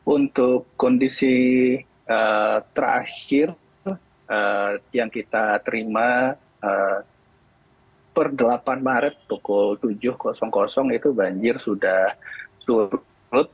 untuk kondisi terakhir yang kita terima per delapan maret pukul tujuh itu banjir sudah surut